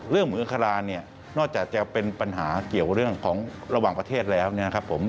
เหมืออังคาราเนี่ยนอกจากจะเป็นปัญหาเกี่ยวเรื่องของระหว่างประเทศแล้วเนี่ยนะครับผม